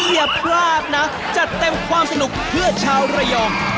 อย่าพลาดนะจัดเต็มความสนุกเพื่อชาวระยอง